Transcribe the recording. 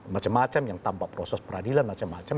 macam macam yang tanpa proses peradilan macam macam